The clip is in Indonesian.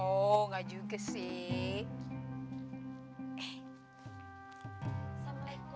oh gak juga sih